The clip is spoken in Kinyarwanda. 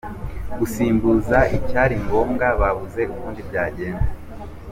Gusimbuzwa icyari ngombwa babuze ukundi byagenda.